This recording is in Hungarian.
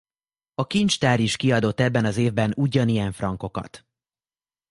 A kincstár is kiadott ebben az évben ugyanilyen frankokat.